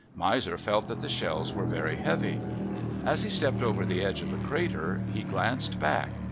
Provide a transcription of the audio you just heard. Miser felt that the shells were very heavy. As he stepped over the edge of the crater, he glanced back.